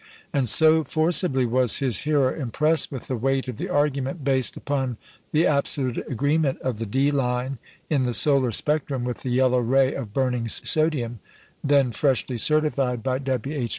And so forcibly was his hearer impressed with the weight of the argument based upon the absolute agreement of the D line in the solar spectrum with the yellow ray of burning sodium (then freshly certified by W. H.